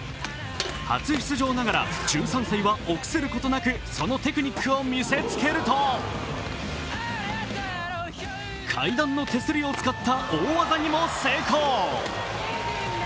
初出場ながら１３歳は臆することなくそのテクニックを見せつけると階段の手すりを使った大技にも成功。